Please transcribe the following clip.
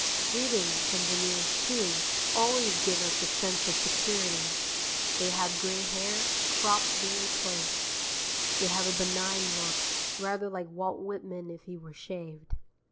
Reading engineers, too, always give us a sense of security. They have gray hair, cropped very close. They have a benign look, rather like Walt Whitman if he were shaved.